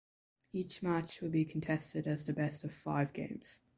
Each match will be contested as the best of five games.